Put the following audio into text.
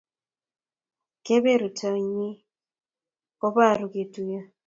Kaberuto nyin kobaru ke kityo